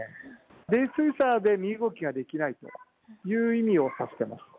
泥酔者で身動きができないという意味を指してます。